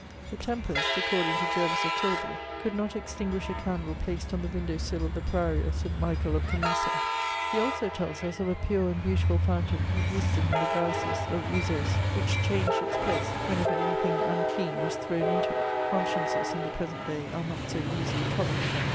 The tempest, according to Jervis oi Tilbury, could not extinguish a candle placed on the window sill of the priory of St. Michael of Camma\ he also tells us of a pure and beautiful fountain existing in the diocese of Uz^s, which changed its place whenever any thing unclean was thrown into it : consciences in the present day are not so easily troubled.